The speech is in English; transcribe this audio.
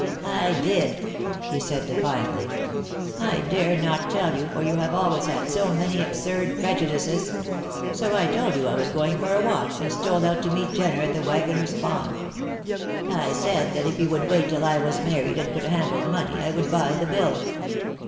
"I did," he said, defiantly. "I dare not tell you for you have always had so many absurd prejudices. So I told you I was going for a walk, and stole out to meet Jenner at the Waggoner's Pond. I said that if he would wait till I was married and could handle money I would buy the bill.